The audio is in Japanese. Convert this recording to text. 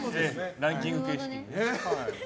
ランキング形式。